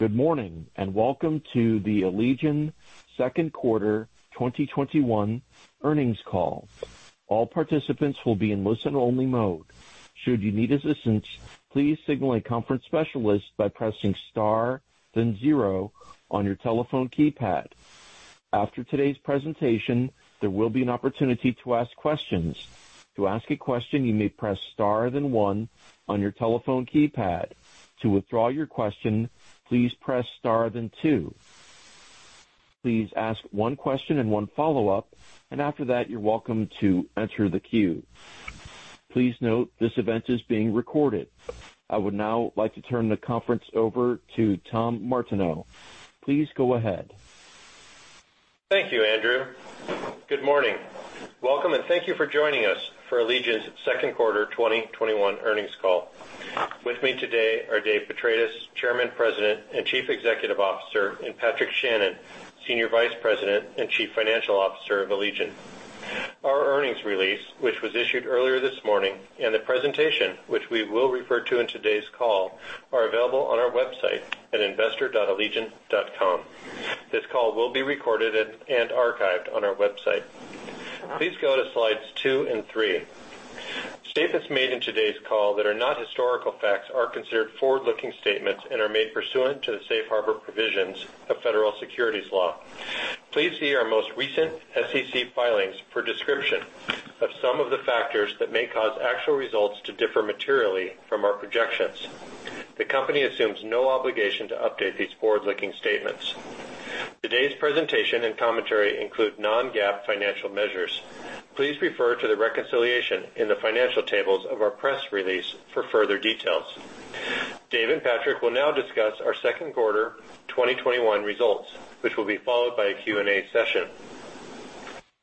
Good morning, and welcome to the Allegion Second Quarter 2021 Earnings Call. All participants will be in listen-only mode. Should you need assistance, please signal a conference specialist by pressing star then zero on your telephone keypad. After today's presentation, there will be an opportunity to ask questions. To ask a question, you may press star then one on your telephone keypad. To withdraw your question, please press star then two. Please ask one question and one follow-up. After that, you're welcome to enter the queue. Please note this event is being recorded. I would now like to turn the conference over to Tom Martineau. Please go ahead. Thank you, Andrew. Good morning. Welcome, and thank you for joining us for Allegion's second quarter 2021 earnings call. With me today are Dave Petratis, Chairman, President, and Chief Executive Officer, and Patrick Shannon, Senior Vice President and Chief Financial Officer of Allegion. Our earnings release, which was issued earlier this morning, and the presentation which we will refer to in today's call, are available on our website at investor.allegion.com. This call will be recorded and archived on our website. Please go to slides two and three. Statements made in today's call that are not historical facts are considered forward-looking statements and are made pursuant to the safe harbor provisions of federal securities law. Please see our most recent SEC filings for a description of some of the factors that may cause actual results to differ materially from our projections. The company assumes no obligation to update these forward-looking statements. Today's presentation and commentary include non-GAAP financial measures. Please refer to the reconciliation in the financial tables of our press release for further details. Dave and Patrick will now discuss our second quarter 2021 results, which will be followed by a Q&A session.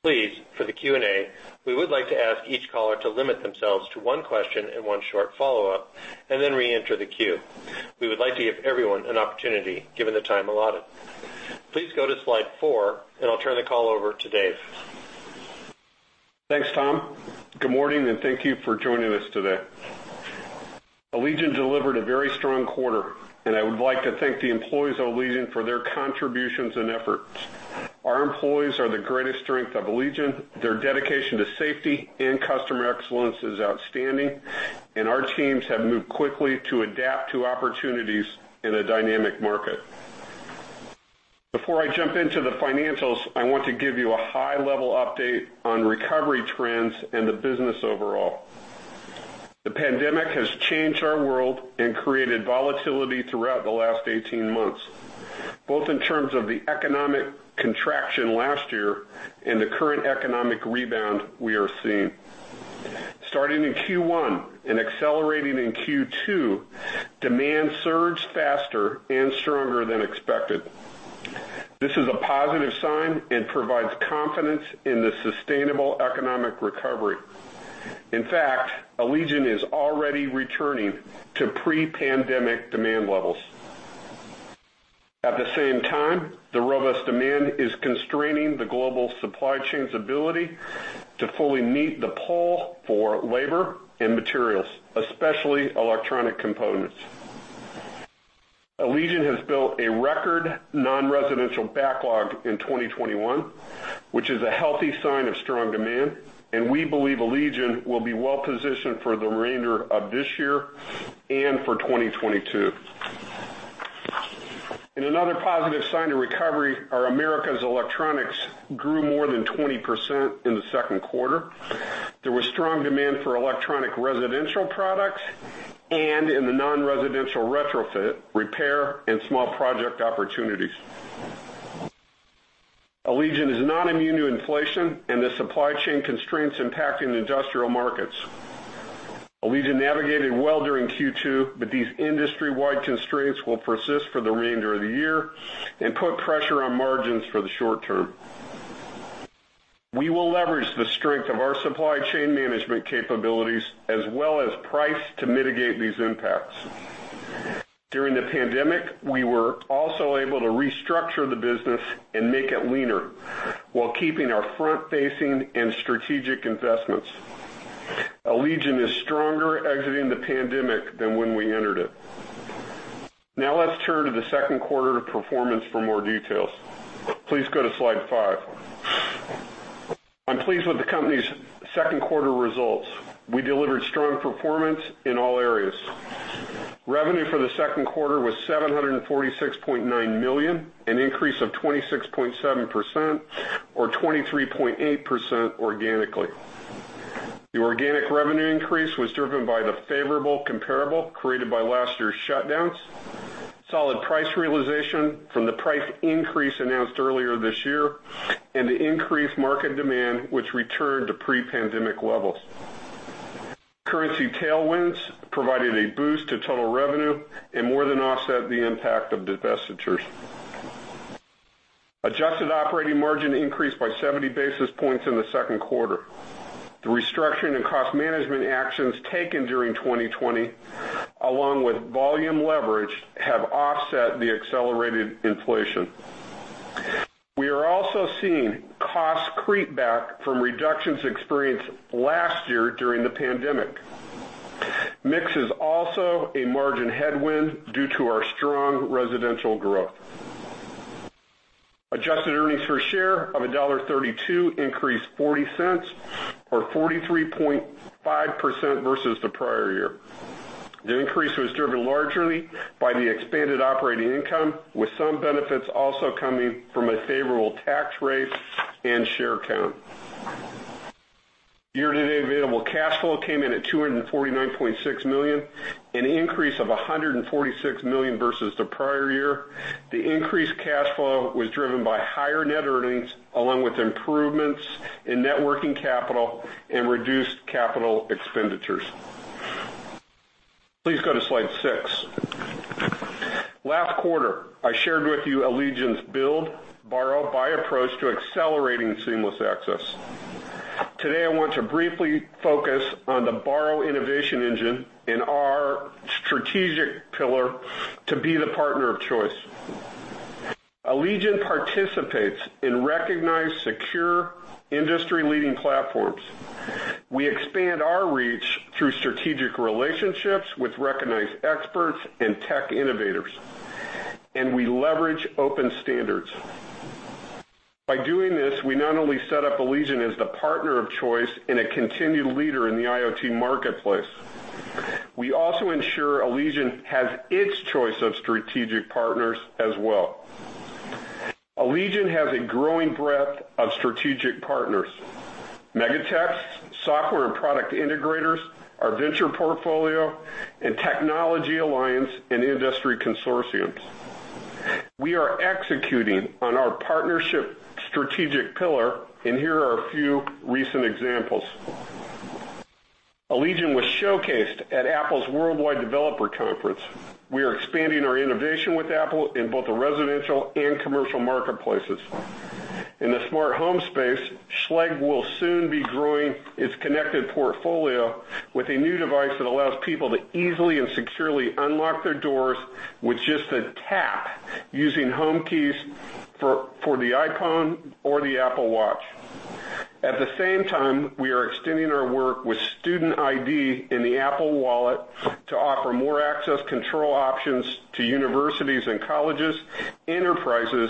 For the Q&A, we would like to ask each caller to limit themselves to one question and one short follow-up, and then reenter the queue. We would like to give everyone an opportunity given the time allotted. Go to slide four, and I'll turn the call over to Dave. Thanks, Tom. Good morning. Thank you for joining us today. Allegion delivered a very strong quarter. I would like to thank the employees of Allegion for their contributions and efforts. Our employees are the greatest strength of Allegion. Their dedication to safety and customer excellence is outstanding. Our teams have moved quickly to adapt to opportunities in a dynamic market. Before I jump into the financials, I want to give you a high-level update on recovery trends and the business overall. The pandemic has changed our world and created volatility throughout the last 18 months, both in terms of the economic contraction last year and the current economic rebound we are seeing. Starting in Q1 and accelerating in Q2, demand surged faster and stronger than expected. This is a positive sign and provides confidence in the sustainable economic recovery. In fact, Allegion is already returning to pre-pandemic demand levels. At the same time, the robust demand is constraining the global supply chain's ability to fully meet the pull for labor and materials, especially electronic components. Allegion has built a record non-residential backlog in 2021, which is a healthy sign of strong demand, and we believe Allegion will be well-positioned for the remainder of this year and for 2022. In another positive sign of recovery, our Americas electronics grew more than 20% in the second quarter. There was strong demand for electronic residential products and in the non-residential retrofit, repair, and small project opportunities. Allegion is not immune to inflation and the supply chain constraints impacting industrial markets. Allegion navigated well during Q2, but these industry-wide constraints will persist for the remainder of the year and put pressure on margins for the short term. We will leverage the strength of our supply chain management capabilities as well as price to mitigate these impacts. During the pandemic, we were also able to restructure the business and make it leaner while keeping our front-facing and strategic investments. Allegion is stronger exiting the pandemic than when we entered it. Now let's turn to the second quarter performance for more details. Please go to slide five. I'm pleased with the company's second quarter results. We delivered strong performance in all areas. Revenue for the second quarter was $746.9 million, an increase of 26.7% or 23.8% organically. The organic revenue increase was driven by the favorable comparable created by last year's shutdowns, solid price realization from the price increase announced earlier this year, and the increased market demand which returned to pre-pandemic levels. Currency tailwinds provided a boost to total revenue and more than offset the impact of divestitures. Adjusted operating margin increased by 70 basis points in the second quarter. The restructuring and cost management actions taken during 2020, along with volume leverage, have offset the accelerated inflation. We are also seeing costs creep back from reductions experienced last year during the pandemic. Mix is also a margin headwind due to our strong residential growth. Adjusted earnings per share of $1.32 increased $0.40 or 43.5% versus the prior year. The increase was driven largely by the expanded operating income, with some benefits also coming from a favorable tax rate and share count. Year-to-date available cash flow came in at $249.6 million, an increase of $146 million versus the prior year. The increased cash flow was driven by higher net earnings, along with improvements in net working capital and reduced capital expenditures. Please go to slide six. Last quarter, I shared with you Allegion's build, borrow, buy approach to accelerating seamless access. Today, I want to briefly focus on the borrow innovation engine and our strategic pillar to be the partner of choice. Allegion participates in recognized, secure, industry-leading platforms. We expand our reach through strategic relationships with recognized experts and tech innovators. We leverage open standards. By doing this, we not only set up Allegion as the partner of choice and a continued leader in the IoT marketplace, we also ensure Allegion has its choice of strategic partners as well. Allegion has a growing breadth of strategic partners, mega techs, software and product integrators, our venture portfolio, and technology alliance and industry consortiums. We are executing on our partnership strategic pillar, and here are a few recent examples. Allegion was showcased at Apple's Worldwide Developers Conference. We are expanding our innovation with Apple in both the residential and commercial marketplaces. In the smart home space, Schlage will soon be growing its connected portfolio with a new device that allows people to easily and securely unlock their doors with just a tap using Home Keys for the iPhone or the Apple Watch. At the same time, we are extending our work with student ID in the Apple Wallet to offer more access control options to universities and colleges, enterprises,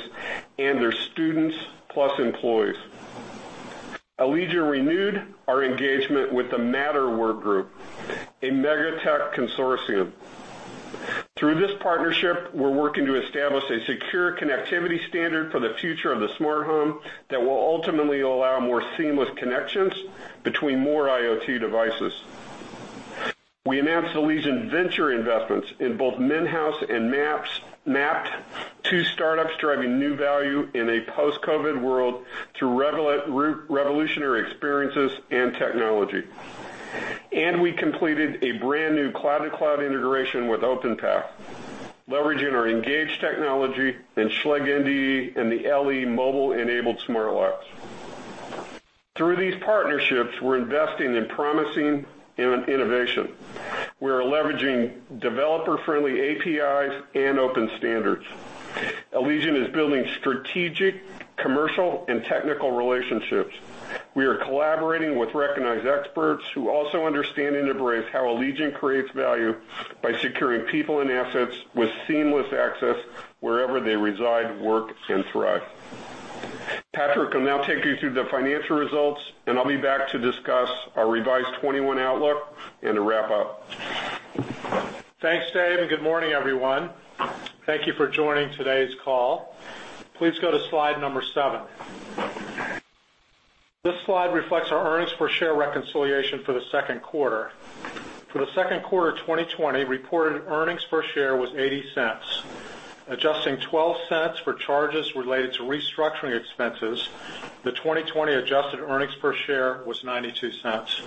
and their students, plus employees. Allegion renewed our engagement with the Matter Working Group, a mega tech consortium. Through this partnership, we're working to establish a secure connectivity standard for the future of the smart home that will ultimately allow more seamless connections between more IoT devices. We announced Allegion venture investments in both Mint House and Mapped, two startups driving new value in a post-COVID world through revolutionary experiences and technology. We completed a brand-new cloud-to-cloud integration with OpenTech, leveraging our ENGAGE technology in Schlage NDE and the LE mobile-enabled smart locks. Through these partnerships, we're investing in promising innovation. We are leveraging developer-friendly APIs and open standards. Allegion is building strategic, commercial, and technical relationships. We are collaborating with recognized experts who also understand and embrace how Allegion creates value by securing people and assets with seamless access wherever they reside, work, and thrive. Patrick will now take you through the financial results, and I'll be back to discuss our revised 2021 outlook and a wrap-up. Thanks, Dave, good morning, everyone. Thank you for joining today's call. Please go to slide number seven. This slide reflects our earnings per share reconciliation for the second quarter. For the second quarter of 2020, reported earnings per share was $0.80. Adjusting $0.12 for charges related to restructuring expenses, the 2020 adjusted earnings per share was $0.92.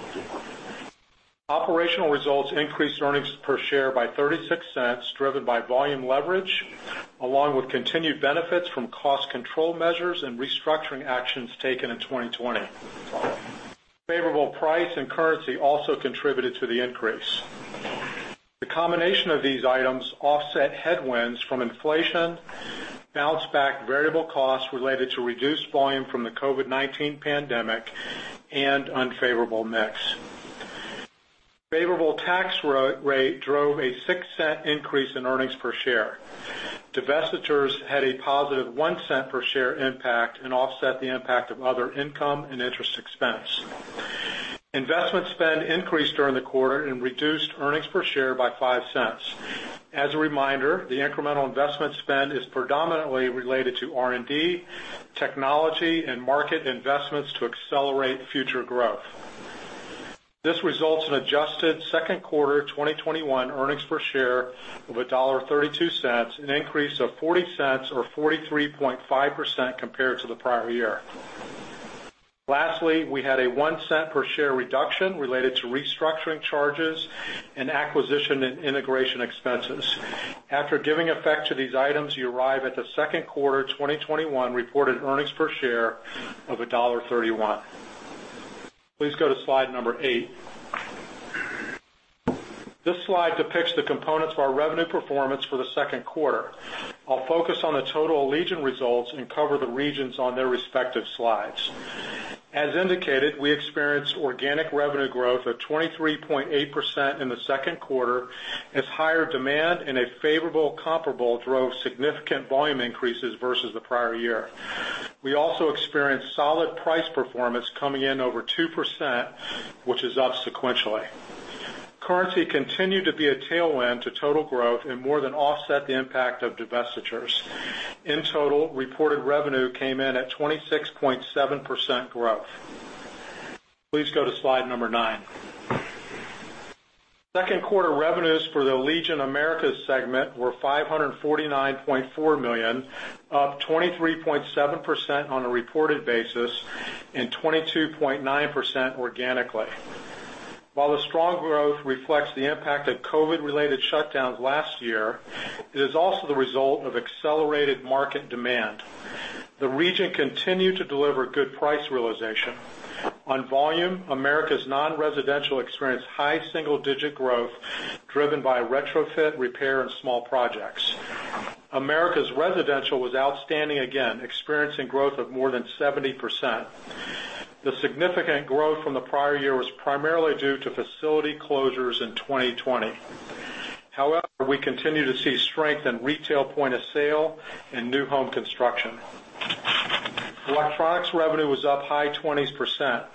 Operational results increased earnings per share by $0.36, driven by volume leverage, along with continued benefits from cost control measures and restructuring actions taken in 2020. Favorable price and currency also contributed to the increase. The combination of these items offset headwinds from inflation, bounce back variable costs related to reduced volume from the COVID-19 pandemic, and unfavorable mix. Favorable tax rate drove a $0.06 increase in earnings per share. Divestitures had a positive $0.01 per share impact and offset the impact of other income and interest expense. Investment spend increased during the quarter and reduced earnings per share by $0.05. As a reminder, the incremental investment spend is predominantly related to R&D, technology, and market investments to accelerate future growth. This results in adjusted second quarter 2021 earnings per share of $1.32, an increase of $0.40 or 43.5% compared to the prior year. Lastly, we had a $0.01 per share reduction related to restructuring charges and acquisition and integration expenses. After giving effect to these items, you arrive at the second quarter 2021 reported earnings per share of $1.31. Please go to slide number eight. This slide depicts the components of our revenue performance for the second quarter. I'll focus on the total Allegion results and cover the regions on their respective slides. As indicated, we experienced organic revenue growth of 23.8% in the second quarter, as higher demand and a favorable comparable drove significant volume increases versus the prior year. We also experienced solid price performance coming in over 2%, which is up sequentially. Currency continued to be a tailwind to total growth and more than offset the impact of divestitures. In total, reported revenue came in at 26.7% growth. Please go to slide number nine. Second quarter revenues for the Allegion Americas segment were $549.4 million, up 23.7% on a reported basis, and 22.9% organically. While the strong growth reflects the impact of COVID-related shutdowns last year, it is also the result of accelerated market demand. The region continued to deliver good price realization. On volume, Americas non-residential experienced high single-digit growth, driven by retrofit, repair, and small projects. Americas residential was outstanding again, experiencing growth of more than 70%. The significant growth from the prior year was primarily due to facility closures in 2020. We continue to see strength in retail point of sale and new home construction. Electronics revenue was up high 20s%.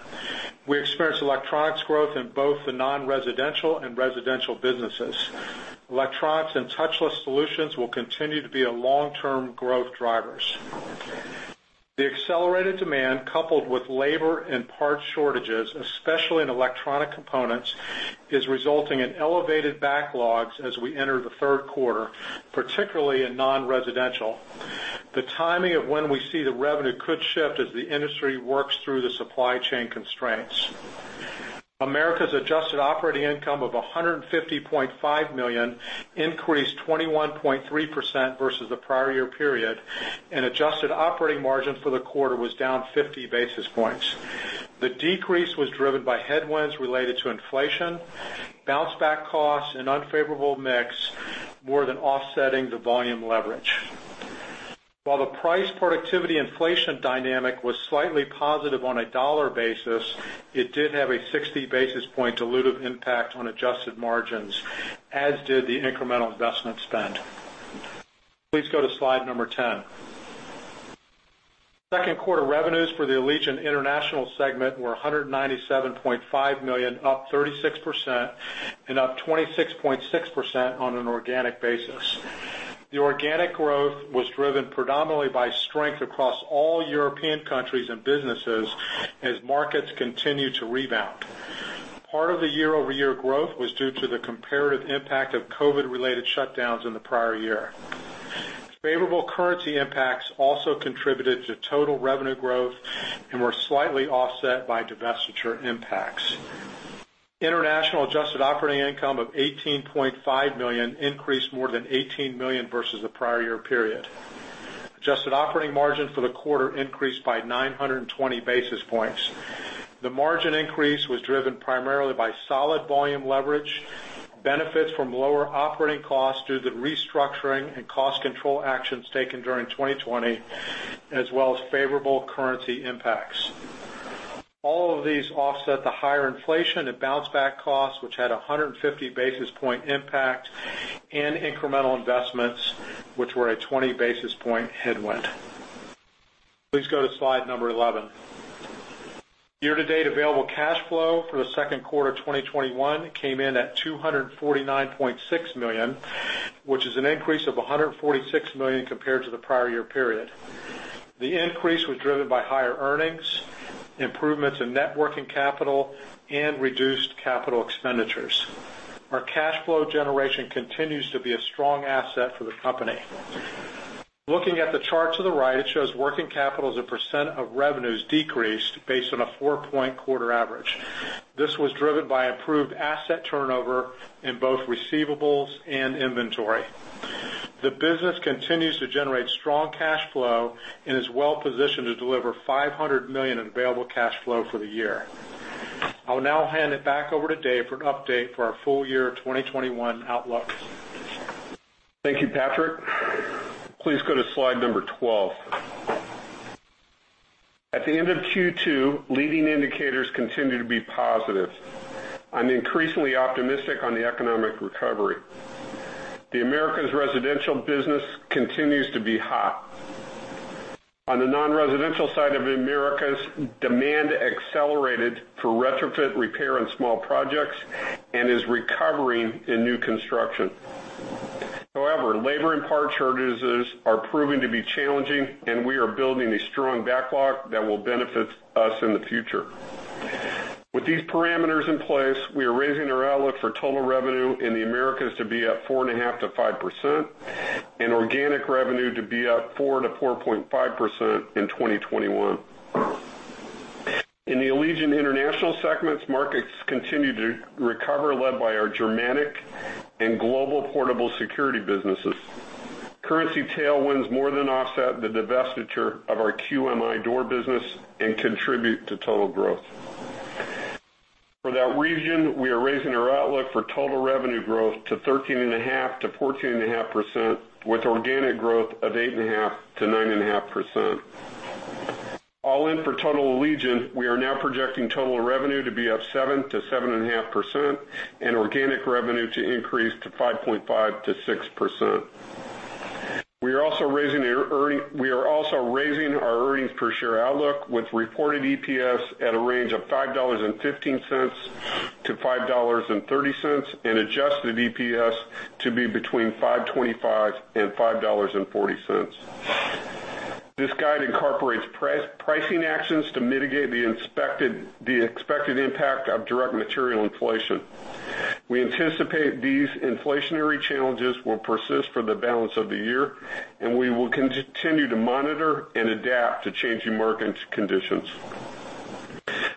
We experienced electronics growth in both the non-residential and residential businesses. Electronics and touchless solutions will continue to be a long-term growth drivers. The accelerated demand, coupled with labor and parts shortages, especially in electronic components, is resulting in elevated backlogs as we enter the third quarter, particularly in non-residential. The timing of when we see the revenue could shift as the industry works through the supply chain constraints. Americas adjusted operating income of $150.5 million increased 21.3% versus the prior year period, adjusted operating margin for the quarter was down 50 basis points. The decrease was driven by headwinds related to inflation, bounce back costs, and unfavorable mix, more than offsetting the volume leverage. While the price productivity inflation dynamic was slightly positive on a dollar basis, it did have a 60 basis point dilutive impact on adjusted margins, as did the incremental investment spend. Please go to slide number 10. Second quarter revenues for the Allegion International segment were $197.5 million, up 36%, and up 26.6% on an organic basis. The organic growth was driven predominantly by strength across all European countries and businesses as markets continue to rebound. Part of the year-over-year growth was due to the comparative impact of COVID-related shutdowns in the prior year. Favorable currency impacts also contributed to total revenue growth and were slightly offset by divestiture impacts. International adjusted operating income of $18.5 million increased more than $18 million versus the prior year period. Adjusted operating margin for the quarter increased by 920 basis points. The margin increase was driven primarily by solid volume leverage, benefits from lower operating costs due to the restructuring and cost control actions taken during 2020, as well as favorable currency impacts. All of these offset the higher inflation and bounce back costs, which had 150 basis point impact, and incremental investments, which were a 20 basis point headwind. Please go to slide number 11. Year-to-date available cash flow for the second quarter 2021 came in at $249.6 million, which is an increase of $146 million compared to the prior year period. The increase was driven by higher earnings, improvements in net working capital, and reduced capital expenditures. Our cash flow generation continues to be a strong asset for the company. Looking at the chart to the right, it shows working capital as a percent of revenues decreased based on a four-point quarter average. This was driven by improved asset turnover in both receivables and inventory. The business continues to generate strong cash flow and is well positioned to deliver $500 million in available cash flow for the year. I will now hand it back over to Dave for an update for our full year 2021 outlook. Thank you, Patrick. Please go to slide number 12. At the end of Q2, leading indicators continue to be positive. I'm increasingly optimistic on the economic recovery. The Americas residential business continues to be hot. On the non-residential side of Americas, demand accelerated for retrofit, repair, and small projects, and is recovering in new construction. However, labor and parts shortages are proving to be challenging, and we are building a strong backlog that will benefit us in the future. With these parameters in place, we are raising our outlook for total revenue in the Americas to be up 4.5%-5%, and organic revenue to be up 4%-4.5% in 2021. In the Allegion International segments, markets continue to recover, led by our Germanic and Global Portable Security businesses. Currency tailwinds more than offset the divestiture of our QMI door business and contribute to total growth. For that region, we are raising our outlook for total revenue growth to 13.5%-14.5%, with organic growth of 8.5%-9.5%. All in for total Allegion, we are now projecting total revenue to be up 7%-7.5% and organic revenue to increase to 5.5%-6%. We are also raising our earnings per share outlook with reported EPS at a range of $5.15-$5.30, and adjusted EPS to be between $5.25 and $5.40. This guide incorporates pricing actions to mitigate the expected impact of direct material inflation. We anticipate these inflationary challenges will persist for the balance of the year, and we will continue to monitor and adapt to changing market conditions.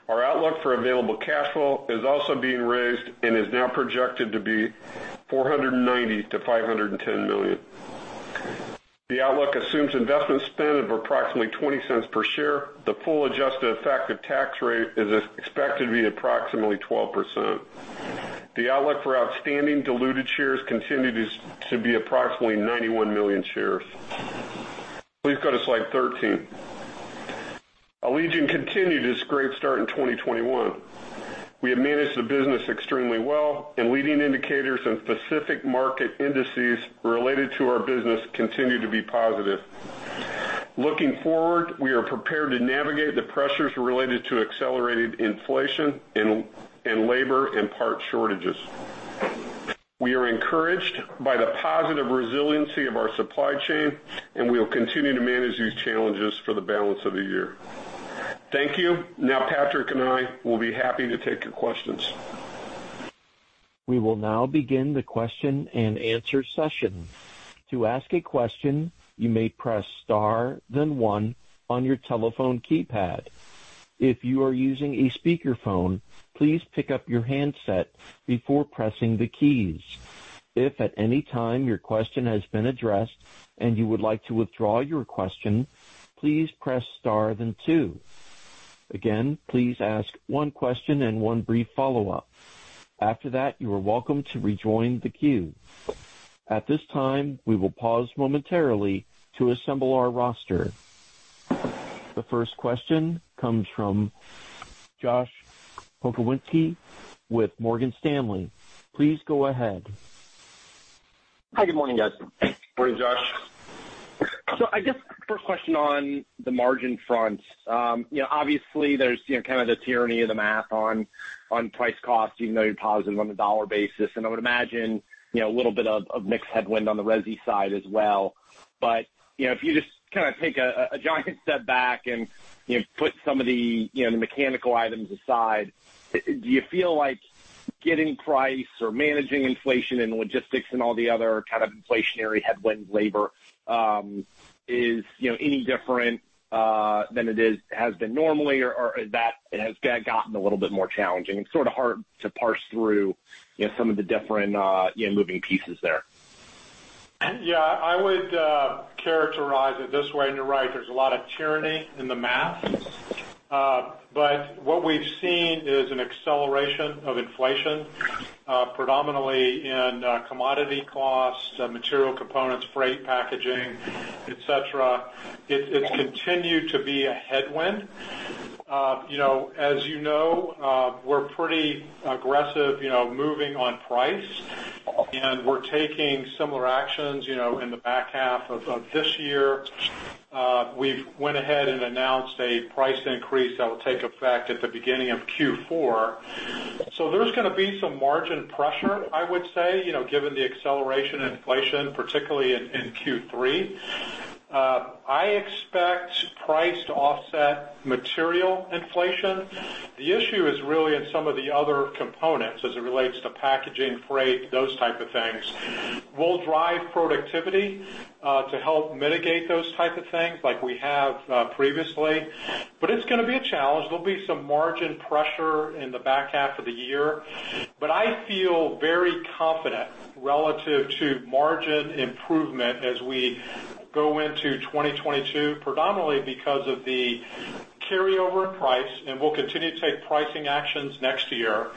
Our outlook for available cash flow is also being raised and is now projected to be $490 million-$510 million. The outlook assumes investment spend of approximately $0.20 per share. The full adjusted effective tax rate is expected to be approximately 12%. The outlook for outstanding diluted shares continues to be approximately 91 million shares. Please go to slide 13. Allegion continued its great start in 2021. We have managed the business extremely well, and leading indicators and specific market indices related to our business continue to be positive. Looking forward, we are prepared to navigate the pressures related to accelerated inflation and labor and part shortages. We are encouraged by the positive resiliency of our supply chain, and we will continue to manage these challenges for the balance of the year. Thank you. Now, Patrick and I will be happy to take your questions. We will now begin the question and answer session. To ask a question, you may press star then one on your telephone keypad. If you are using a speakerphone, please pick up your handset before pressing the keys. If at any time your question has been addressed and you would like to withdraw your question, please press star then two. Again, please ask one question and one brief follow-up. After that, you are welcome to rejoin the queue. At this time, we will pause momentarily to assemble our roster. The first question comes from Josh Pokrzywinski with Morgan Stanley. Please go ahead. Hi, good morning, guys. Morning, Josh. I guess first question on the margin front. Obviously, there's kind of the tyranny of the math on price cost, even though you're positive on the dollar basis. I would imagine a little bit of mixed headwind on the resi side as well. If you just kind of take a giant step back and put some of the mechanical items aside, do you feel like getting price or managing inflation and logistics and all the other kind of inflationary headwind labor is any different than it has been normally? Has that gotten a little bit more challenging? It's sort of hard to parse through some of the different moving pieces there. Yeah, I would characterize it this way, you're right, there's a lot of tyranny in the math. What we've seen is an acceleration of inflation, predominantly in commodity costs, material components, freight, packaging, et cetera. It's continued to be a headwind. As you know, we're pretty aggressive moving on price, we're taking similar actions in the back half of this year. We've went ahead and announced a price increase that will take effect at the beginning of Q4. There's going to be some margin pressure, I would say, given the acceleration in inflation, particularly in Q3. I expect price to offset material inflation. The issue is really in some of the other components as it relates to packaging, freight, those type of things. We'll drive productivity to help mitigate those type of things like we have previously. It's going to be a challenge. There'll be some margin pressure in the back half of the year. I feel very confident relative to margin improvement as we go into 2022, predominantly because of the carryover in price, and we'll continue to take pricing actions next year.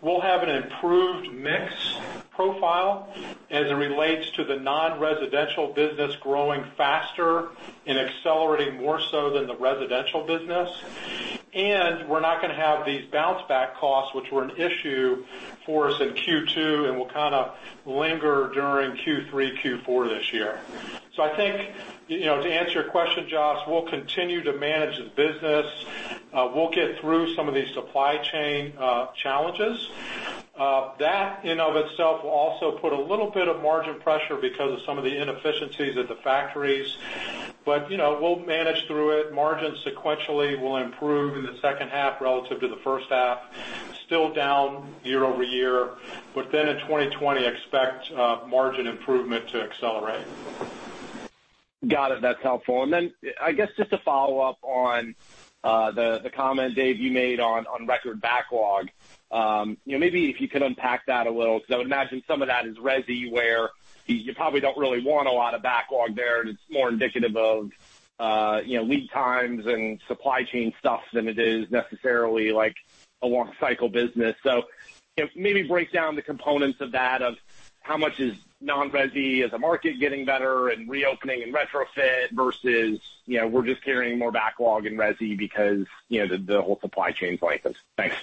We'll have an improved mix profile as it relates to the non-residential business growing faster and accelerating more so than the residential business. We're not going to have these bounce back costs, which were an issue for us in Q2 and will kind of linger during Q3, Q4 this year. I think to answer your question, Josh, we'll continue to manage the business. We'll get through some of these supply chain challenges. That in of itself will also put a little bit of margin pressure because of some of the inefficiencies at the factories. We'll manage through it. Margins sequentially will improve in the second half relative to the first half, still down year-over-year. In 2020, expect margin improvement to accelerate. Got it. That's helpful. I guess just to follow up on the comment, Dave, you made on record backlog. Maybe if you could unpack that a little, because I would imagine some of that is resi, where you probably don't really want a lot of backlog there, and it's more indicative of lead times and supply chain stuff than it is necessarily like a long cycle business. Maybe break down the components of that, of how much is non-resi, is the market getting better and reopening and retrofit versus we're just carrying more backlog in resi because the whole supply chain blankets. Thanks.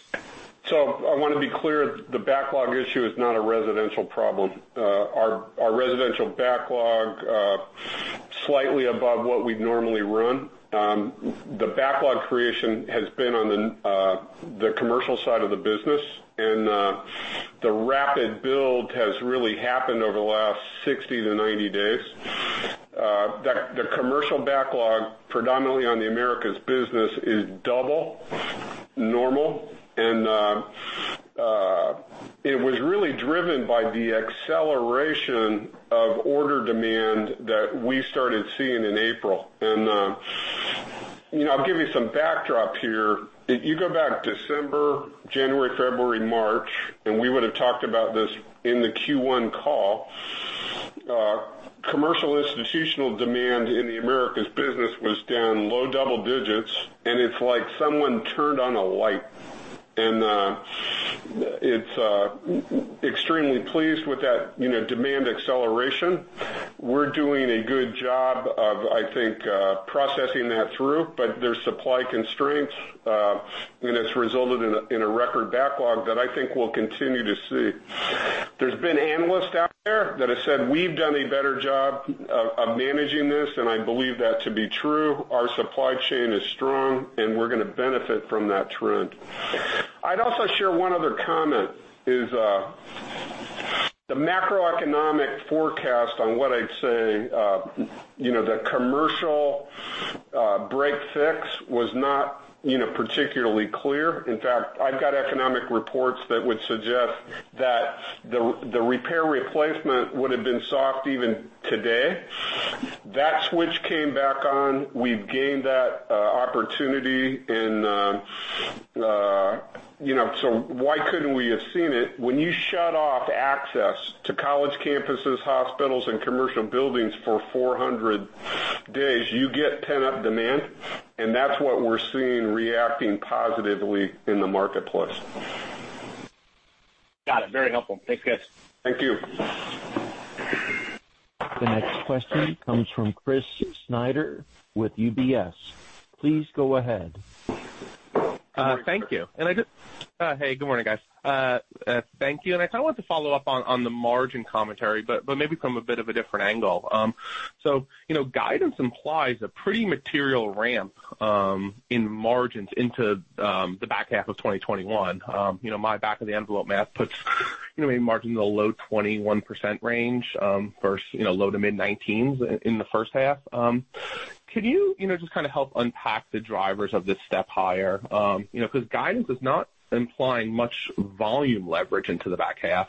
I want to be clear, the backlog issue is not a residential problem. Our residential backlog, slightly above what we'd normally run. The backlog creation has been on the commercial side of the business, and the rapid build has really happened over the last 60-90 days. The commercial backlog, predominantly on the Americas business, is double normal, and it was really driven by the acceleration of order demand that we started seeing in April. I'll give you some backdrop here. If you go back December, January, February, March, and we would've talked about this in the Q1 call, commercial institutional demand in the Americas business was down low double digits, and it's like someone turned on a light. It's extremely pleased with that demand acceleration. We're doing a good job of, I think, processing that through, but there's supply constraints, and it's resulted in a record backlog that I think we'll continue to see. There's been analysts out there that have said we've done a better job of managing this, and I believe that to be true. Our supply chain is strong, and we're going to benefit from that trend. I'd also share one other comment, is the macroeconomic forecast on what I'd say the commercial break-fix was not particularly clear. In fact, I've got economic reports that would suggest that the repair replacement would've been soft even today. That switch came back on. We've gained that opportunity and so why couldn't we have seen it? When you shut off access to college campuses, hospitals, and commercial buildings for 400 days, you get pent-up demand, and that's what we're seeing reacting positively in the marketplace. Got it. Very helpful. Thanks, guys. Thank you. The next question comes from Chris Snyder with UBS. Please go ahead. Thank you. Hey, good morning, guys. Thank you. I kind of want to follow up on the margin commentary, but maybe from a bit of a different angle. Guidance implies a pretty material ramp in margins into the back half of 2021. My back of the envelope math puts maybe margin in the low 21% range versus low to mid 19s in the first half. Could you just kind of help unpack the drivers of this step higher? Because guidance is not implying much volume leverage into the back half.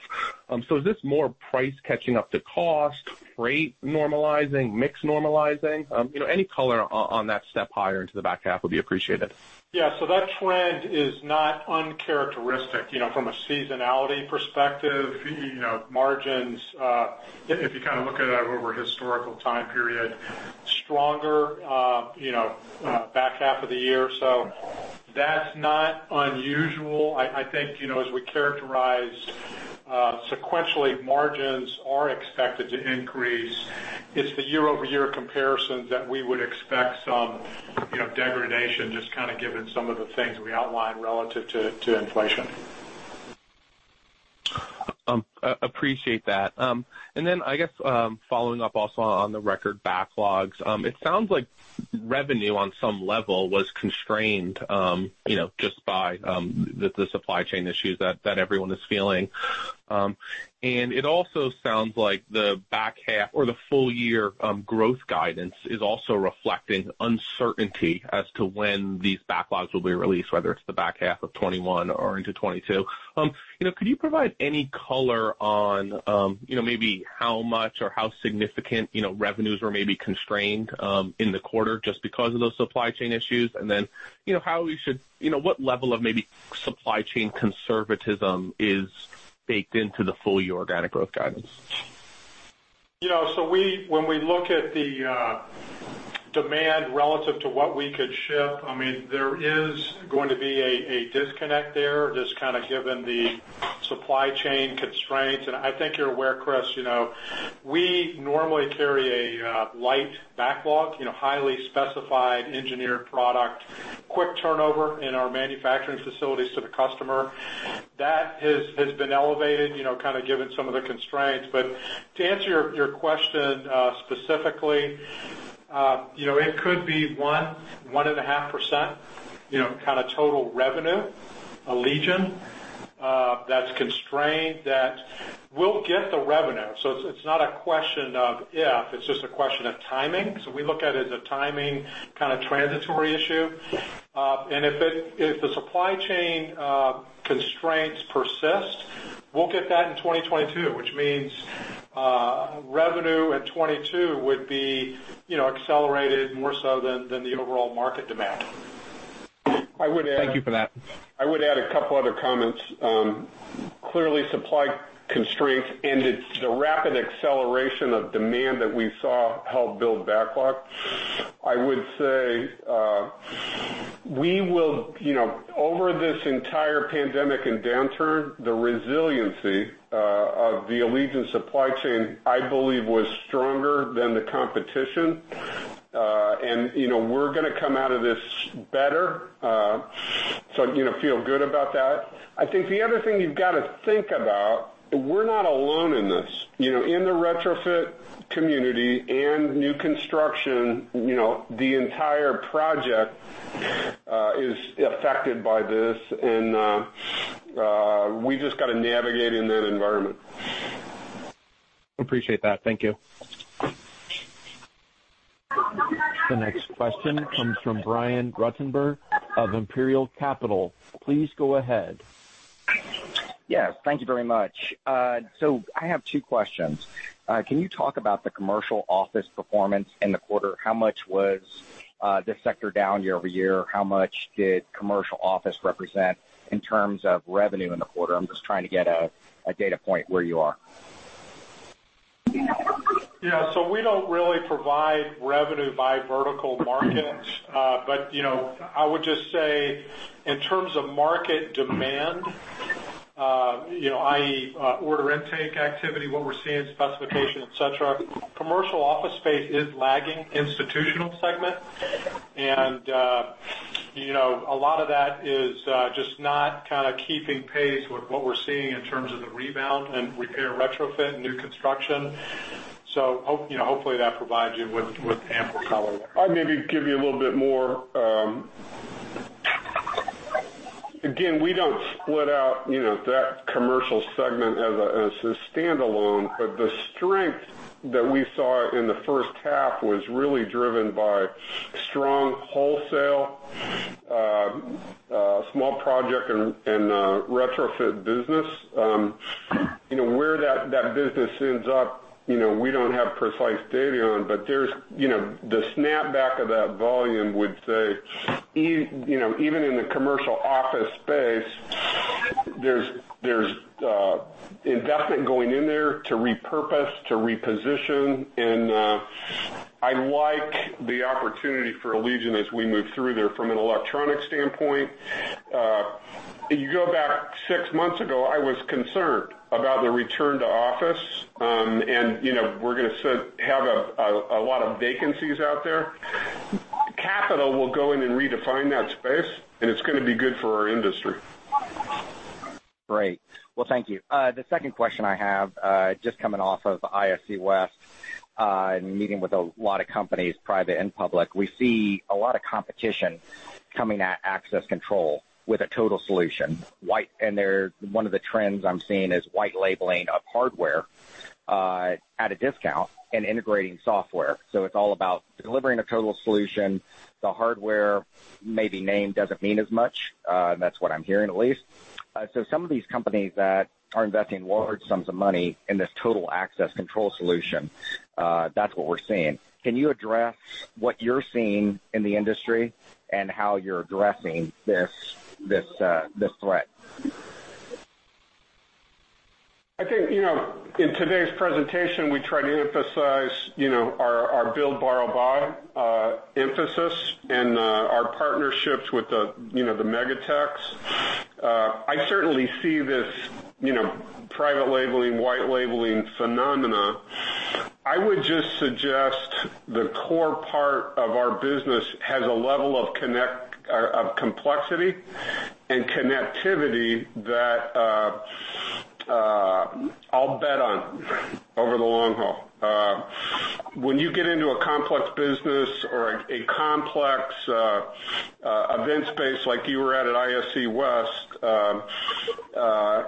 Is this more price catching up to cost, rate normalizing, mix normalizing? Any color on that step higher into the back half would be appreciated. That trend is not uncharacteristic. From a seasonality perspective, margins, if you kind of look at it over a historical time period, stronger back half of the year. That's not unusual. As we characterize sequentially, margins are expected to increase. It's the year-over-year comparisons that we would expect some degradation, just kind of given some of the things we outlined relative to inflation. Appreciate that. I guess following up also on the record backlogs. It sounds like revenue on some level was constrained just by the supply chain issues that everyone is feeling. It also sounds like the back half or the full year growth guidance is also reflecting uncertainty as to when these backlogs will be released, whether it's the back half of 2021 or into 2022. Could you provide any color on maybe how much or how significant revenues were maybe constrained in the quarter just because of those supply chain issues? What level of maybe supply chain conservatism is baked into the full-year organic growth guidance? Yeah. When we look at the demand relative to what we could ship, there is going to be a disconnect there, just given the supply chain constraints. I think you're aware, Chris, we normally carry a light backlog, highly specified engineered product, quick turnover in our manufacturing facilities to the customer. That has been elevated, given some of the constraints. To answer your question specifically, it could be 1%, 1.5% total revenue, Allegion, that's constrained that we'll get the revenue. It's not a question of if, it's just a question of timing. We look at it as a timing transitory issue. If the supply chain constraints persist. We'll get that in 2022, which means revenue in 2022 would be accelerated more so than the overall market demand. I would add. Thank you for that. I would add a couple other comments. Clearly, supply constraints and it's the rapid acceleration of demand that we saw helped build backlog. I would say, over this entire pandemic and downturn, the resiliency of the Allegion supply chain, I believe, was stronger than the competition. We're going to come out of this better, so feel good about that. I think the other thing you've got to think about, we're not alone in this. In the retrofit community and new construction, the entire project is affected by this, and we just got to navigate in that environment. Appreciate that. Thank you. The next question comes from Brian Ruttenbur of Imperial Capital. Please go ahead. Yes, thank you very much. I have two questions. Can you talk about the commercial office performance in the quarter? How much was this sector down year-over-year? How much did commercial office represent in terms of revenue in the quarter? I'm just trying to get a data point where you are. Yeah. We don't really provide revenue by vertical market. I would just say, in terms of market demand, i.e., order intake activity, what we're seeing, specification, et cetera, commercial office space is lagging institutional segment. A lot of that is just not keeping pace with what we're seeing in terms of the rebound in repair retrofit and new construction. Hopefully that provides you with ample color. I'll maybe give you a little bit more. Again, we don't split out that commercial segment as a standalone, but the strength that we saw in the first half was really driven by strong wholesale, small project, and retrofit business. Where that business ends up, we don't have precise data on, but the snapback of that volume would say, even in the commercial office space, there's investment going in there to repurpose, to reposition, and I like the opportunity for Allegion as we move through there from an electronic standpoint. You go back six months ago, I was concerned about the return to office, and we're going to have a lot of vacancies out there. Capital will go in and redefine that space, and it's going to be good for our industry. Great. Well, thank you. The second question I have, just coming off of ISC West, and meeting with a lot of companies, private and public, we see a lot of competition coming at access control with a total solution. One of the trends I'm seeing is white labeling of hardware at a discount and integrating software. It's all about delivering a total solution. The hardware, maybe name doesn't mean as much. That's what I'm hearing, at least. Some of these companies that are investing large sums of money in this total access control solution, that's what we're seeing. Can you address what you're seeing in the industry and how you're addressing this threat? I think, in today's presentation, we try to emphasize our build, borrow, buy emphasis and our partnerships with the mega techs. I certainly see this private labeling, white labeling phenomena. I would just suggest the core part of our business has a level of complexity and connectivity that I'll bet on over the long haul. When you get into a complex business or a complex event space like you were at ISC West,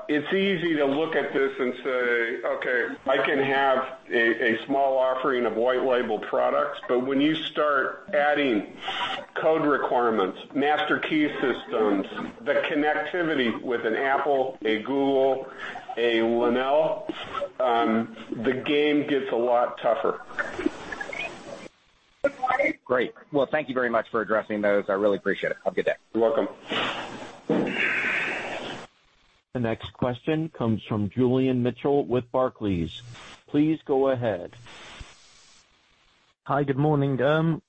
it's easy to look at this and say, "Okay, I can have a small offering of white label products." When you start adding code requirements, master key systems, the connectivity with an Apple, a Google, a Lenel, the game gets a lot tougher. Great. Well, thank you very much for addressing those. I really appreciate it. Have a good day. You're welcome. The next question comes from Julian Mitchell with Barclays. Please go ahead. Hi, good morning.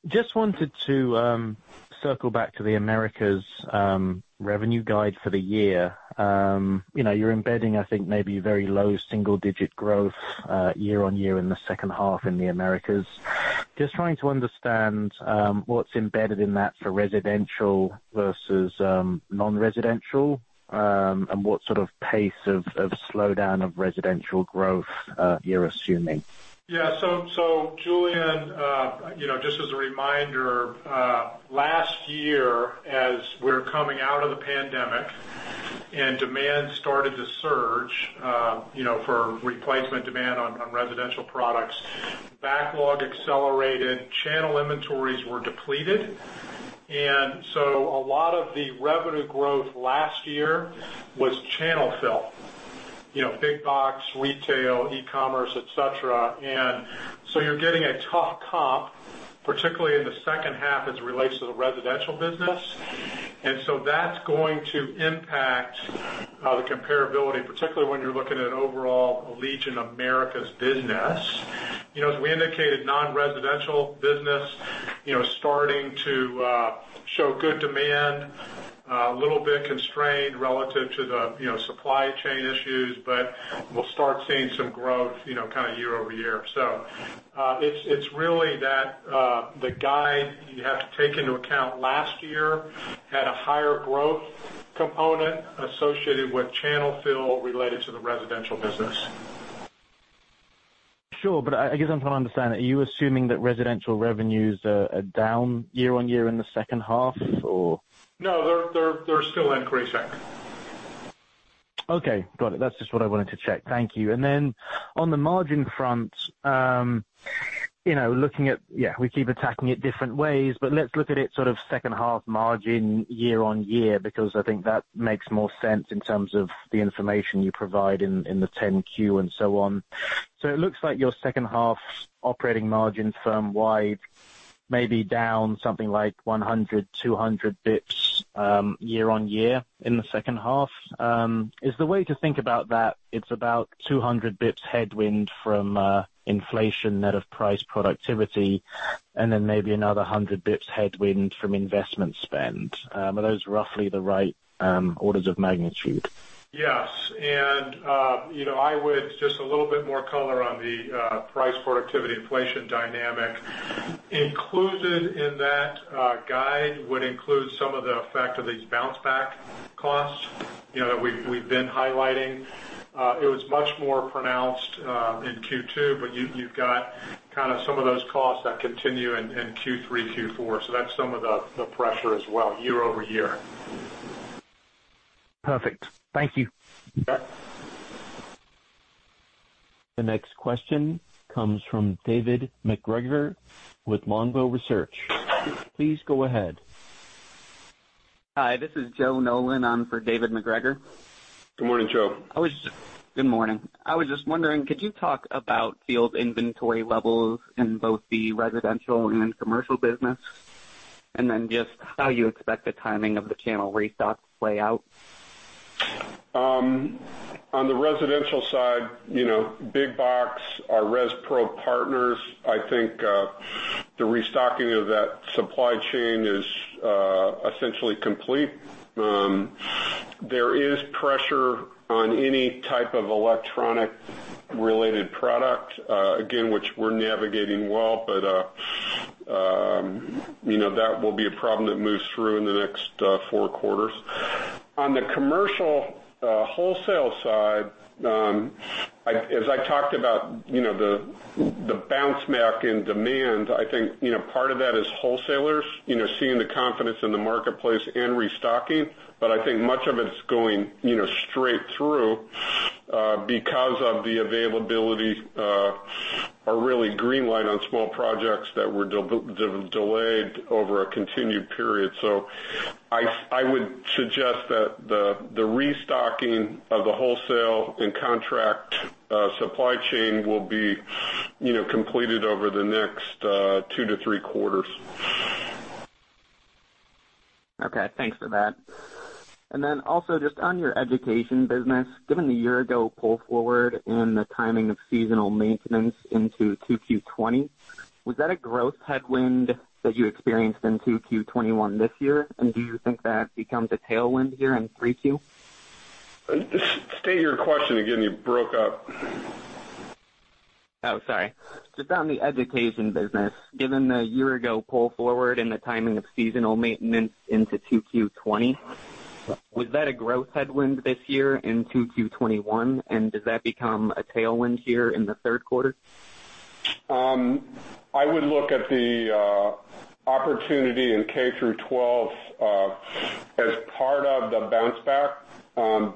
Just wanted to circle back to the Allegion Americas revenue guide for the year. You're embedding, I think, maybe very low single-digit growth year-over-year in the second half in Allegion Americas. Just trying to understand what's embedded in that for residential versus non-residential, and what sort of pace of slowdown of residential growth you're assuming. Yeah. Julian, just as a reminder, last year, as we're coming out of the pandemic and demand started to surge, for replacement demand on residential products, backlog accelerated, channel inventories were depleted. A lot of the revenue growth last year was channel fill, big box, retail, e-commerce, et cetera. You're getting a tough comp, particularly in the second half as it relates to the residential business. That's going to impact the comparability, particularly when you're looking at overall Allegion Americas business. As we indicated, non-residential business starting to show good demand, a little bit constrained relative to the supply chain issues. We'll start seeing some growth kind of year-over-year. It's really that the guide you have to take into account last year had a higher growth component associated with channel fill related to the residential business. Sure. I guess I'm trying to understand, are you assuming that residential revenues are down year-on-year in the second half, or? No, they're still increasing. Okay, got it. That's just what I wanted to check. Thank you. Then on the margin front, we keep attacking it different ways, but let's look at it sort of second half margin year-on-year, because I think that makes more sense in terms of the information you provide in the 10-Q and so on. It looks like your second half operating margin firm wide may be down something like 100, 200 bps year-on-year in the second half. Is the way to think about that, it's about 200 bps headwind from inflation, net of price productivity, and then maybe another 100 bps headwind from investment spend. Are those roughly the right orders of magnitude? Yes. Just a little bit more color on the price productivity inflation dynamic. Included in that guide would include some of the effect of these bounce back costs that we've been highlighting. It was much more pronounced in Q2, you've got kind of some of those costs that continue in Q3, Q4. That's some of the pressure as well year-over-year. Perfect. Thank you. You bet. The next question comes from David MacGregor with Longbow Research. Please go ahead. Hi, this is Joe Nolan. I'm for David MacGregor. Good morning, Joe. Good morning. I was just wondering, could you talk about field inventory levels in both the residential and commercial business? How you expect the timing of the channel restock to play out? On the residential side, big box, our ResPro partners, I think the restocking of that supply chain is essentially complete. There is pressure on any type of electronic related product, again, which we're navigating well. That will be a problem that moves through in the next four quarters. On the commercial wholesale side, as I talked about the bounce back in demand, I think part of that is wholesalers seeing the confidence in the marketplace and restocking. I think much of it's going straight through because of the availability or really green light on small projects that were delayed over a continued period. I would suggest that the restocking of the wholesale and contract supply chain will be completed over the next two to three quarters. Okay, thanks for that. Also just on your education business, given the year-ago pull forward and the timing of seasonal maintenance into 2Q 2020, was that a growth headwind that you experienced in 2Q 2021 this year? Do you think that becomes a tailwind here in 3Q? State your question again, you broke up. Oh, sorry. Just on the education business, given the year-ago pull forward and the timing of seasonal maintenance into 2Q 2020, was that a growth headwind this year in 2Q 2021? Does that become a tailwind here in the third quarter? I would look at the opportunity in K through 12 as part of the bounce back,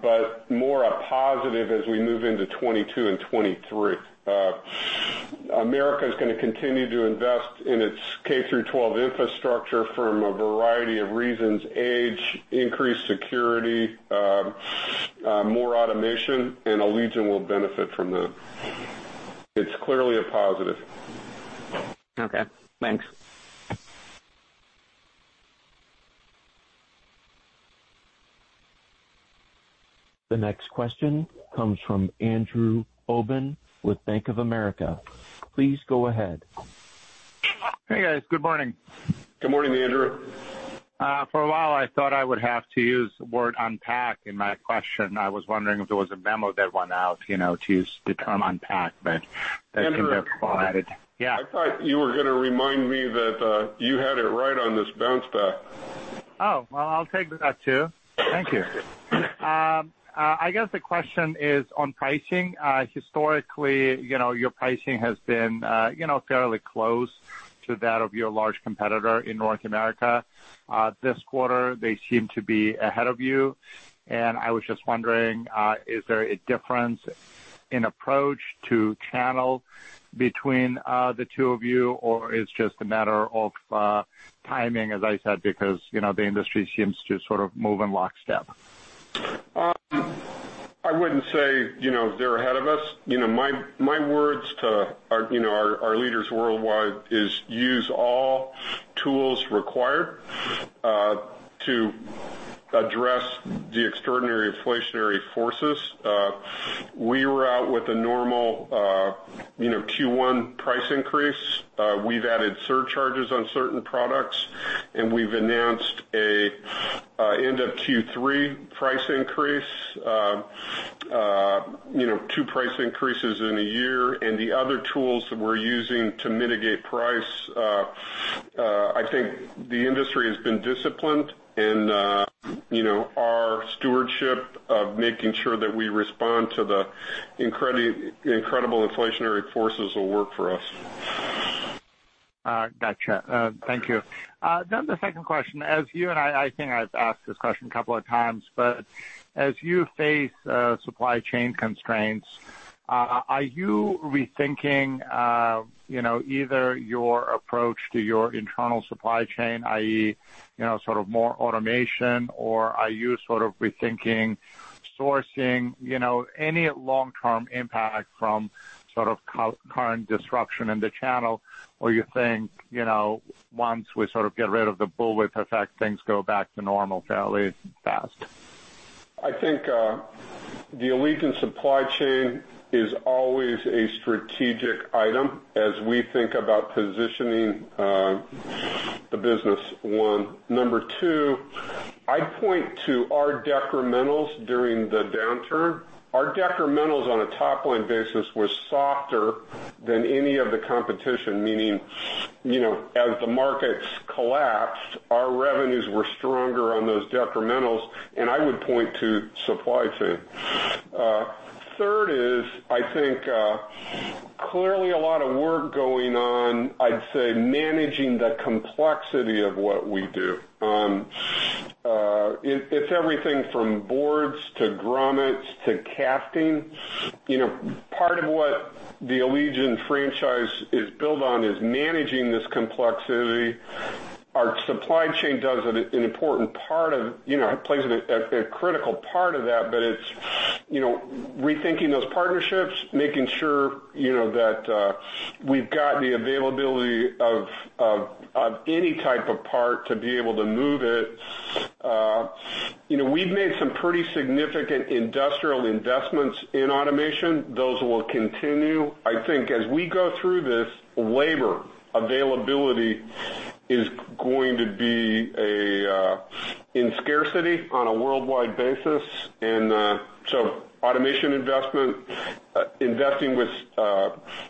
but more a positive as we move into 2022 and 2023. America is going to continue to invest in its K through 12 infrastructure from a variety of reasons, age, increased security, more automation, and Allegion will benefit from that. It's clearly a positive. Okay, thanks. The next question comes from Andrew Obin with Bank of America. Please go ahead. Hey, guys. Good morning. Good morning, Andrew. For a while, I thought I would have to use the word unpack in my question. I was wondering if there was a memo that went out to use the term unpack, but that can be added. Andrew. Yeah. I thought you were going to remind me that you had it right on this bounce back. Oh, well, I'll take that, too. Thank you. I guess the question is on pricing. Historically, your pricing has been fairly close to that of your large competitor in North America. This quarter, they seem to be ahead of you. I was just wondering, is there a difference in approach to channel between the two of you, or it's just a matter of timing, as I said, because the industry seems to sort of move in lockstep? I wouldn't say they're ahead of us. My words to our leaders worldwide is use all tools required to address the extraordinary inflationary forces. We were out with a normal Q1 price increase. We've added surcharges on certain products, and we've announced an end of Q3 price increase, two price increases in a year. The other tools that we're using to mitigate price, I think the industry has been disciplined and our stewardship of making sure that we respond to the incredible inflationary forces will work for us. Got you. Thank you. The second question, I think I've asked this question a couple of times, as you face supply chain constraints, are you rethinking either your approach to your internal supply chain, i.e., sort of more automation, or are you sort of rethinking sourcing any long-term impact from sort of current disruption in the channel? You think, once we sort of get rid of the bullwhip effect, things go back to normal fairly fast? I think the Allegion supply chain is always a strategic item as we think about positioning the business, one. Number two, I'd point to our decrementals during the downturn. Our decrementals on a top-line basis were softer than any of the competition, meaning, as the markets collapsed, our revenues were stronger on those decrementals, and I would point to supply chain. Third is, I think, clearly a lot of work going on, I'd say, managing the complexity of what we do. It's everything from boards to grommets to casting. Part of what the Allegion franchise is built on is managing this complexity. Our supply chain plays a critical part of that, but it's rethinking those partnerships, making sure that we've got the availability of any type of part to be able to move it. We've made some pretty significant industrial investments in automation. Those will continue. I think as we go through this, labor availability is going to be in scarcity on a worldwide basis. Automation investment, investing with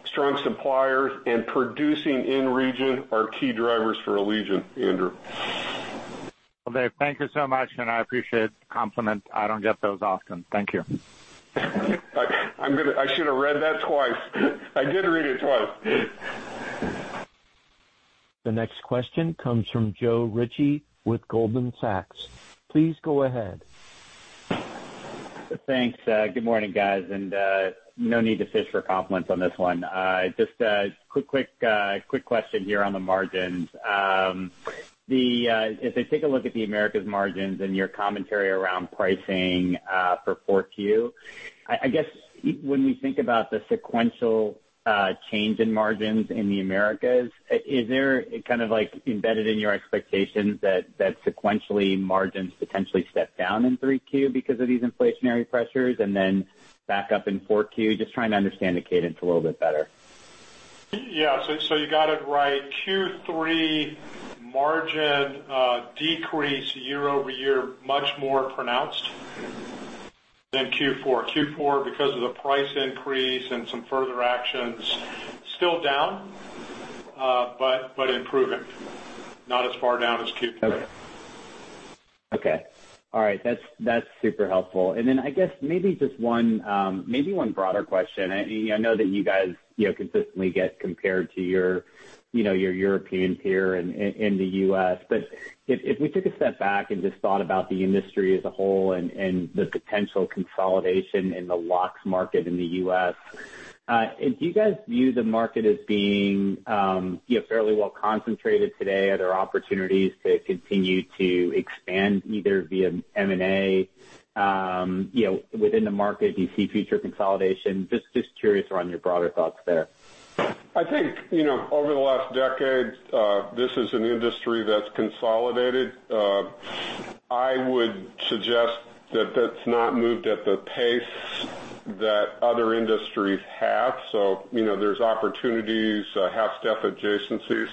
strong suppliers, and producing in region are key drivers for Allegion, Andrew. Well, Dave, thank you so much, and I appreciate the compliment. I don't get those often. Thank you. I should have read that twice. I did read it twice. The next question comes from Joe Ritchie with Goldman Sachs. Please go ahead. Thanks. Good morning, guys. No need to fish for compliments on this one. Just a quick question here on the margins. If I take a look at the Americas margins and your commentary around pricing for 4Q, I guess when we think about the sequential change in margins in the Americas, is there kind of like embedded in your expectations that sequentially margins potentially step down in 3Q because of these inflationary pressures and then back up in 4Q? Just trying to understand the cadence a little bit better. Yeah. You got it right. Q3 margin decrease year-over-year, much more pronounced than Q4. Q4, because of the price increase and some further actions, still down but improving. Not as far down as Q3. Okay. All right. That's super helpful. Then I guess maybe one broader question. I know that you guys consistently get compared to your European peer in the U.S., if we took a step back and just thought about the industry as a whole and the potential consolidation in the locks market in the U.S., do you guys view the market as being fairly well concentrated today? Are there opportunities to continue to expand either via M&A within the market? Do you see future consolidation? Just curious around your broader thoughts there. Over the last decade, this is an industry that's consolidated. I would suggest that that's not moved at the pace that other industries have. There's opportunities, half step adjacencies.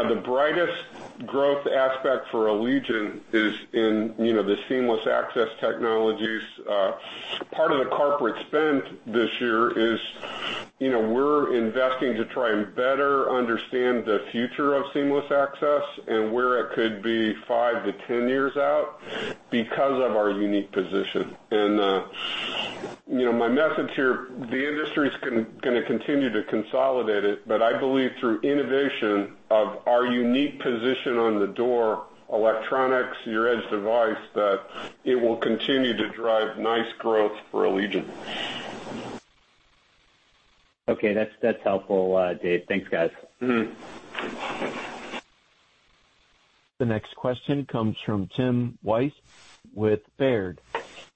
The brightest growth aspect for Allegion is in the seamless access technologies. Part of the corporate spend this year is we're investing to try and better understand the future of seamless access and where it could be 5-10 years out because of our unique position. My message here, the industry's going to continue to consolidate it, but I believe through innovation of our unique position on the door, electronics, your edge device, that it will continue to drive nice growth for Allegion. Okay. That's helpful, Dave. Thanks, guys. The next question comes from Tim Wojs with Baird.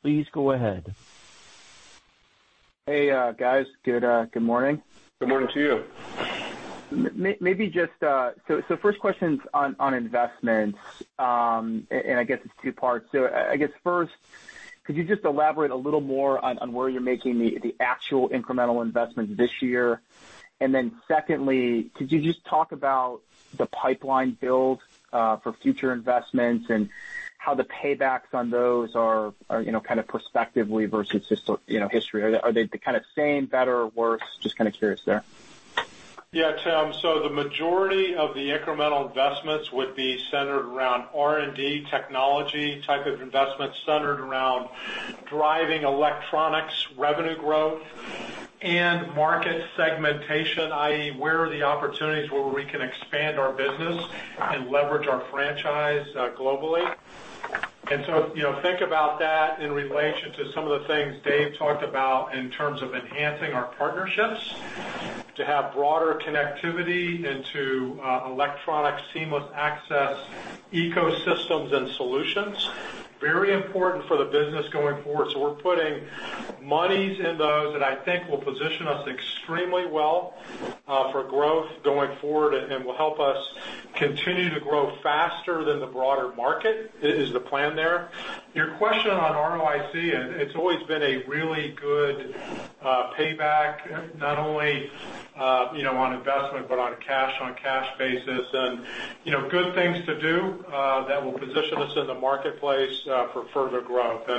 Please go ahead. Hey guys. Good morning. Good morning to you. First question's on investments, and I guess it's two parts. I guess first, could you just elaborate a little more on where you're making the actual incremental investments this year? Secondly, could you just talk about the pipeline build for future investments and how the paybacks on those are kind of prospectively versus just history? Are they the kind of same, better or worse? Just kind of curious there. Yeah, Tim. The majority of the incremental investments would be centered around R&D technology type of investments, centered around driving electronics revenue growth and market segmentation, i.e., where are the opportunities where we can expand our business and leverage our franchise globally. Think about that in relation to some of the things Dave talked about in terms of enhancing our partnerships to have broader connectivity into electronic seamless access ecosystems and solutions. Very important for the business going forward. We're putting monies in those that I think will position us extremely well for growth going forward and will help us continue to grow faster than the broader market, is the plan there. Your question on ROIC. It's always been a really good payback, not only on investment, but on a cash-on-cash basis. Good things to do that will position us in the marketplace for further growth.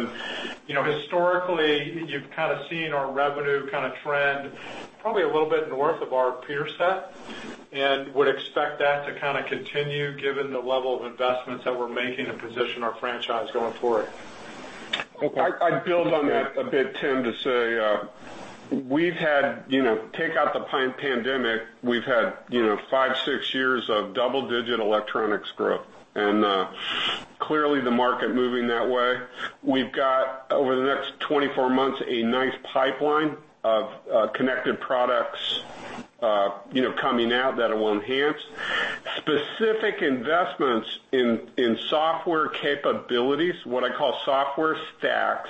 Historically, you've kind of seen our revenue kind of trend probably a little bit north of our peer set and would expect that to kind of continue given the level of investments that we're making to position our franchise going forward. I'd build on that a bit, Tim, to say take out the pandemic, we've had five, six years of double-digit electronics growth. Clearly the market moving that way. We've got, over the next 24 months, a nice pipeline of connected products coming out that it will enhance. Specific investments in software capabilities, what I call software stacks,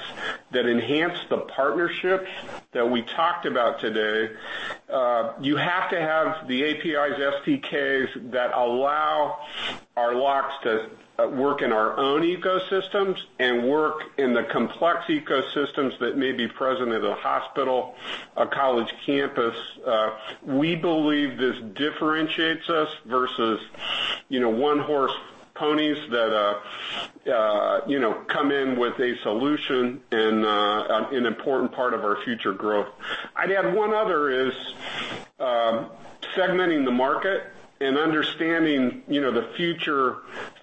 that enhance the partnerships that we talked about today. You have to have the APIs, SDKs that allow our locks to work in our own ecosystems and work in the complex ecosystems that may be present at a hospital, a college campus. We believe this differentiates us versus one-horse ponies that come in with a solution and an important part of our future growth. I'd add one other, is segmenting the market and understanding the future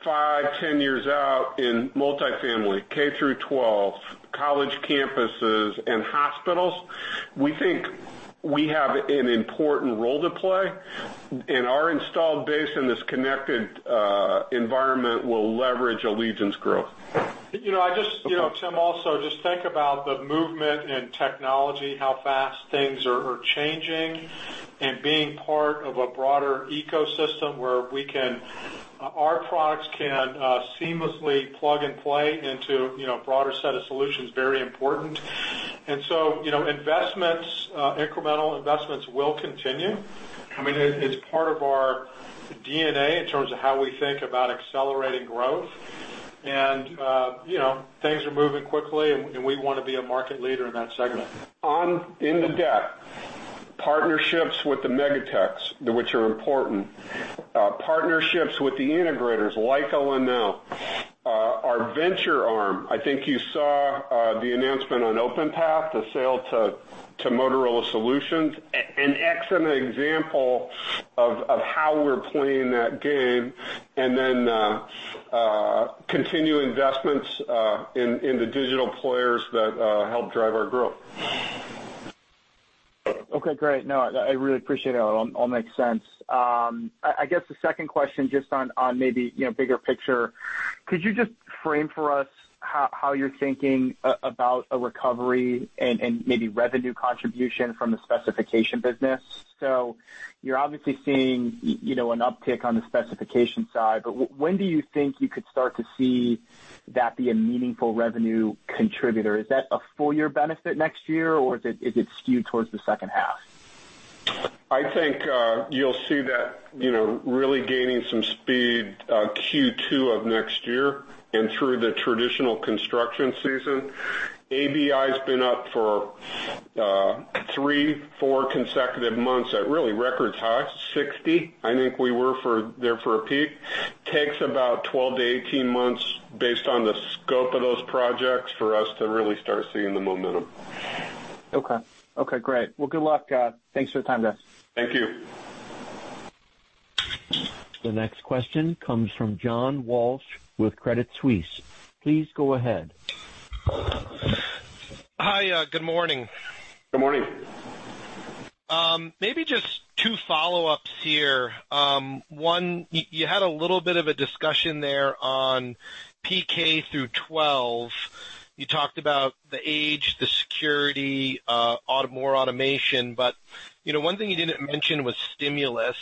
five, 10 years out in multifamily K through 12, college campuses and hospitals. We think we have an important role to play, and our installed base in this connected environment will leverage Allegion's growth. Tim, also just think about the movement in technology, how fast things are changing, and being part of a broader ecosystem where our products can seamlessly plug and play into a broader set of solutions, very important. Incremental investments will continue. It's part of our DNA in terms of how we think about accelerating growth. Things are moving quickly, and we want to be a market leader in that segment. On in-depth partnerships with the mega techs, which are important. Partnerships with the integrators like Lenel. Our venture arm, I think you saw the announcement on Openpath, the sale to Motorola Solutions. An excellent example of how we're playing that game and then continue investments in the digital players that help drive our growth. Okay, great. No, I really appreciate it. It all makes sense. I guess the second question just on maybe bigger picture, could you just frame for us how you're thinking about a recovery and maybe revenue contribution from the specification business? You're obviously seeing an uptick on the specification side, but when do you think you could start to see that be a meaningful revenue contributor? Is that a full year benefit next year, or is it skewed towards the second half? I think you'll see that really gaining some speed Q2 of next year and through the traditional construction season. ABI's been up for three, four consecutive months at really record highs, 60, I think we were there for a peak. Takes about 12-18 months based on the scope of those projects for us to really start seeing the momentum. Okay. Great. Well, good luck. Thanks for the time, guys. Thank you. The next question comes from John Walsh with Credit Suisse. Please go ahead. Hi. Good morning. Good morning. Maybe just two follow-ups here. One, you had a little bit of a discussion there on K through 12. You talked about the age, the security, more automation. One thing you didn't mention was stimulus.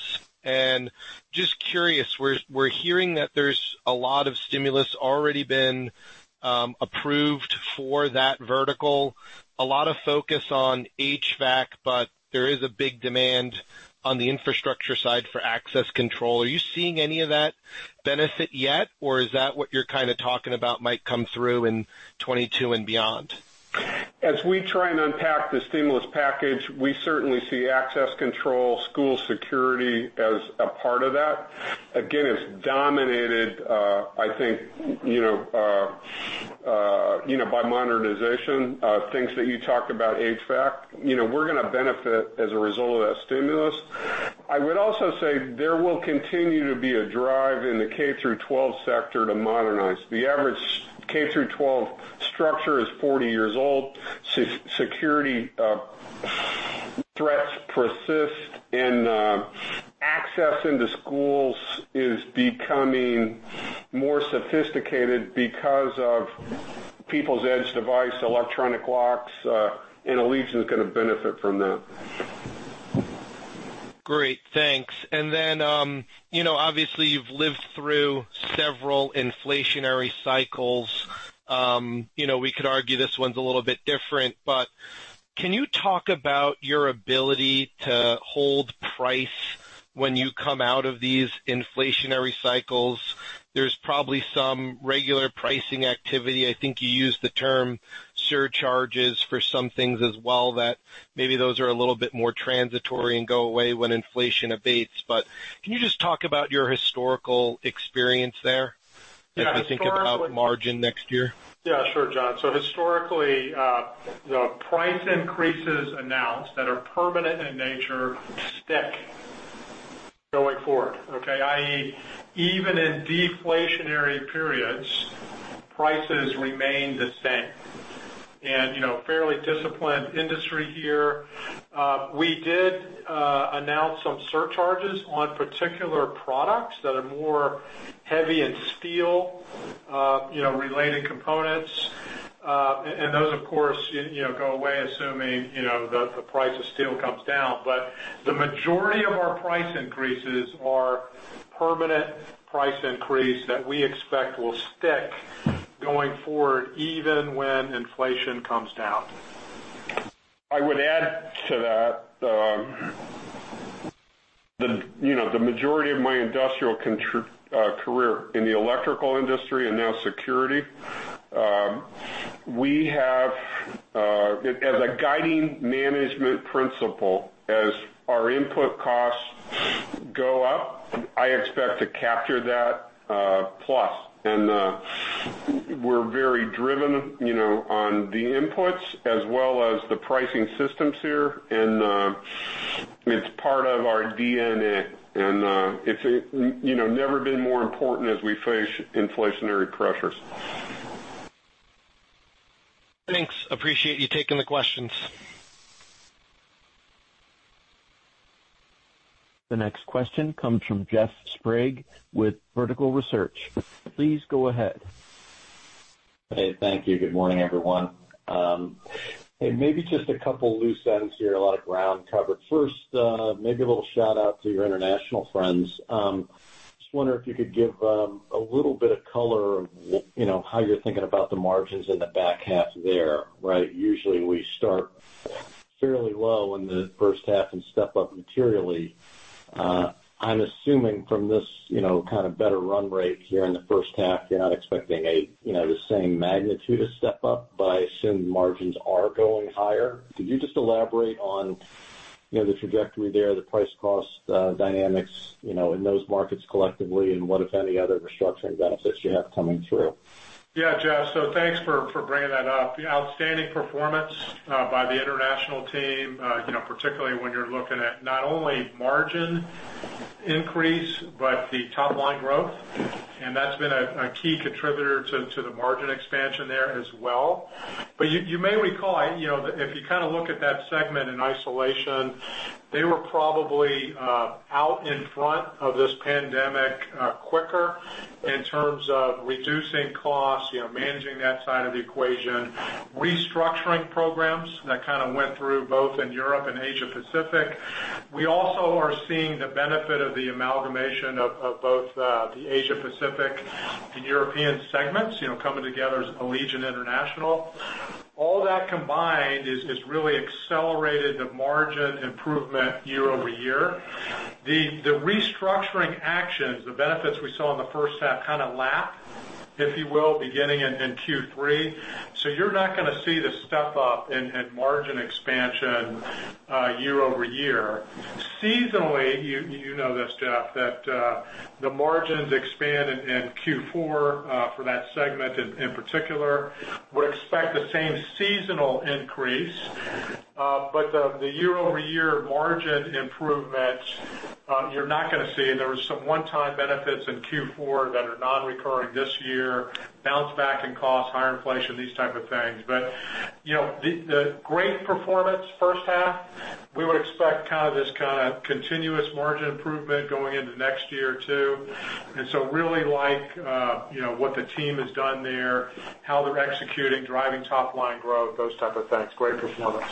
Just curious, we're hearing that there's a lot of stimulus already been approved for that vertical. A lot of focus on HVAC, but there is a big demand on the infrastructure side for access control. Are you seeing any of that benefit yet, or is that what you're kind of talking about might come through in 2022 and beyond? As we try and unpack the stimulus package, we certainly see access control, school security as a part of that. Again, it's dominated, I think, by modernization, things that you talked about, HVAC. We're going to benefit as a result of that stimulus. I would also say there will continue to be a drive in the K through 12 sector to modernize. The average K through 12 structure is 40 years old. Security threats persist, and access into schools is becoming more sophisticated because of people's edge device, electronic locks, and Allegion's going to benefit from that. Great, thanks. Obviously you've lived through several inflationary cycles. We could argue this one's a little bit different, but can you talk about your ability to hold price when you come out of these inflationary cycles? There's probably some regular pricing activity. I think you used the term surcharges for some things as well, that maybe those are a little bit more transitory and go away when inflation abates. Can you just talk about your historical experience there? Yeah, historically- as we think about margin next year? Sure, John. Historically, the price increases announced that are permanent in nature stick going forward. Okay? i.e., even in deflationary periods, prices remain the same. Fairly disciplined industry here. We did announce some surcharges on particular products that are more heavy in steel-related components. Those, of course, go away assuming the price of steel comes down. The majority of our price increases are permanent price increase that we expect will stick going forward, even when inflation comes down. I would add to that. The majority of my industrial career in the electrical industry, and now security, we have, as a guiding management principle, as our input costs go up, I expect to capture that plus. We're very driven on the inputs as well as the pricing systems here. It's part of our DNA, and it's never been more important as we face inflationary pressures. Thanks. Appreciate you taking the questions. The next question comes from Jeff Sprague with Vertical Research. Please go ahead. Hey. Thank you. Good morning, everyone. Hey, maybe just a couple loose ends here, a lot of ground covered. First, maybe a little shout-out to your international friends. Just wonder if you could give a little bit of color of how you're thinking about the margins in the back half there, right? Usually, we start fairly low in the first half and step up materially. I'm assuming from this kind of better run rate here in the first half, you're not expecting the same magnitude of step-up, but I assume margins are going higher. Could you just elaborate on the trajectory there, the price cost dynamics in those markets collectively, and what, if any, other restructuring benefits you have coming through? Jeff. Thanks for bringing that up. Outstanding performance by the international team, particularly when you're looking at not only margin increase, but the top-line growth. That's been a key contributor to the margin expansion there as well. You may recall, if you kind of look at that segment in isolation, they were probably out in front of this pandemic quicker in terms of reducing costs, managing that side of the equation, restructuring programs that kind of went through both in Europe and Asia Pacific. We also are seeing the benefit of the amalgamation of both the Asia Pacific and European segments, coming together as Allegion International. All that combined has really accelerated the margin improvement year-over-year. The restructuring actions, the benefits we saw in the first half kind of lap, if you will, beginning in Q3. You're not going to see the step-up in margin expansion year-over-year. Seasonally, you know this, Jeff Sprague, that the margins expand in Q4, for that segment in particular. Would expect the same seasonal increase. The year-over-year margin improvement, you're not going to see. There was some one-time benefits in Q4 that are non-recurring this year, bounce back in cost, higher inflation, these type of things. The great performance first half We would expect this kind of continuous margin improvement going into next year, too. Really like what the team has done there, how they're executing, driving top-line growth, those type of things. Great performance.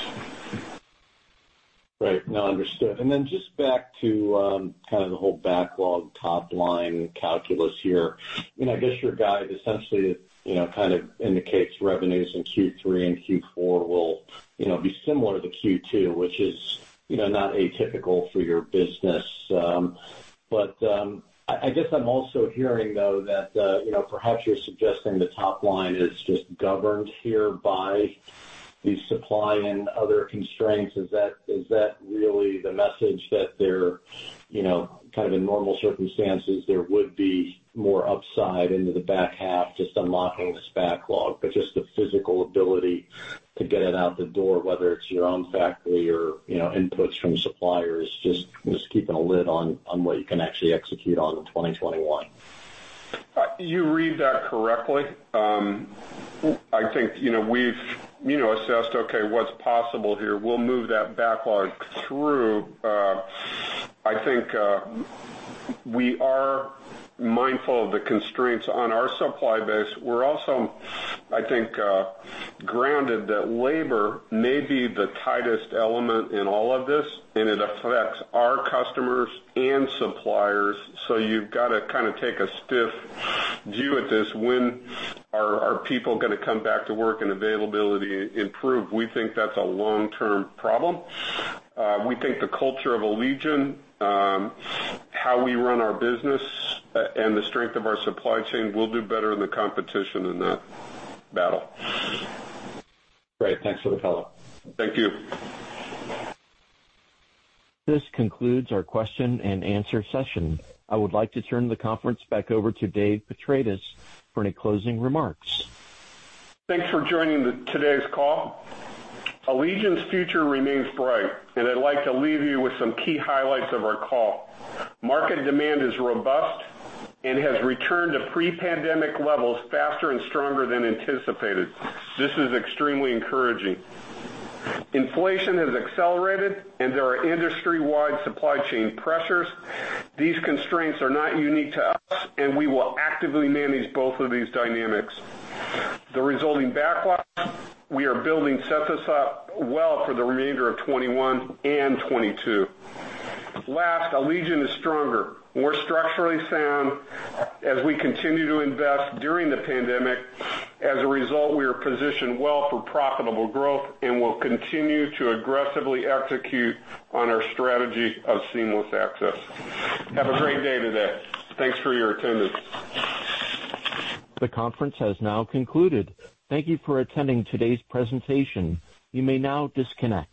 Right. No, understood. Just back to kind of the whole backlog top-line calculus here. I guess your guide essentially kind of indicates revenues in Q3 and Q4 will be similar to Q2, which is not atypical for your business. I guess I'm also hearing, though, that perhaps you're suggesting the top line is just governed here by the supply and other constraints. Is that really the message that they're kind of in normal circumstances, there would be more upside into the back half, just unlocking this backlog, but just the physical ability to get it out the door, whether it's your own factory or inputs from suppliers, just keeping a lid on what you can actually execute on in 2021? You read that correctly. I think we've assessed, okay, what's possible here. We'll move that backlog through. I think we are mindful of the constraints on our supply base. We're also, I think, grounded that labor may be the tightest element in all of this, and it affects our customers and suppliers. You've got to kind of take a stiff view at this. When are people going to come back to work and availability improve? We think that's a long-term problem. We think the culture of Allegion, how we run our business, and the strength of our supply chain will do better in the competition in that battle. Great. Thanks for the color. Thank you. This concludes our question and answer session. I would like to turn the conference back over to Dave Petratis for any closing remarks. Thanks for joining today's call. Allegion's future remains bright. I'd like to leave you with some key highlights of our call. Market demand is robust and has returned to pre-pandemic levels faster and stronger than anticipated. This is extremely encouraging. Inflation has accelerated. There are industry-wide supply chain pressures. These constraints are not unique to us. We will actively manage both of these dynamics. The resulting backlog we are building sets us up well for the remainder of 2021 and 2022. Last, Allegion is stronger, more structurally sound as we continue to invest during the pandemic. As a result, we are positioned well for profitable growth. We will continue to aggressively execute on our strategy of seamless access. Have a great day today. Thanks for your attendance. The conference has now concluded. Thank you for attending today's presentation. You may now disconnect.